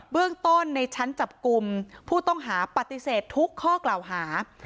เรื่องต้นในชั้นจับกลุ่มผู้ต้องหาปฏิเสธทุกข้อกล่าวหา